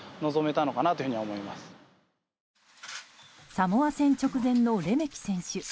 サモア戦直前のレメキ選手。